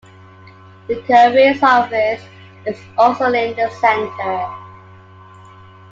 The Careers office is also in the Centre.